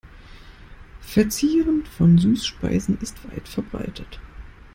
Verzieren von Süßspeisen ist weit verbreitet.